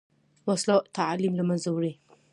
وسله تعلیم له منځه وړي